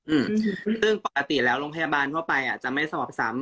อืมซึ่งปกติแล้วโรงพยาบาลทั่วไปอ่ะจะไม่สมอบซ้ำ